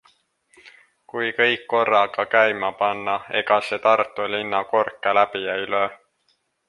Kui kõik korraga käima panna, ega see Tartu linna korke läbi ei löö?